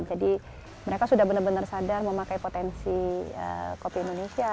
jadi mereka sudah benar benar sadar memakai potensi kopi indonesia